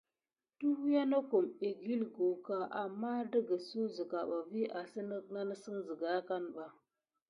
Tuyiya nokum ekikucka aman tikisuk siga ɓa vi asine nesine.